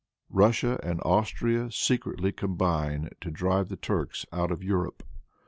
Russia and Austria Secretly Combine to Drive the Turks out of Europe.